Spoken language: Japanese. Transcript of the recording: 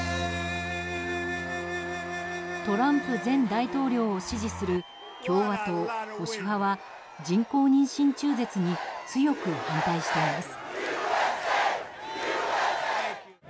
トランプ前大統領を支持する共和党保守派は人工妊娠中絶に強く反対しています。